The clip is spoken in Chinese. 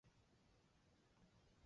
天经地义不是吗？